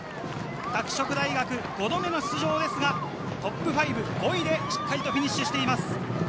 拓殖大学、５度目の出場ですがトップ５、５位でしっかりフィニッシュしています。